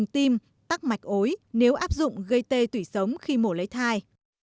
tim tắc mạch ối nếu áp dụng gây tê tủy sống khi mổ lấy thai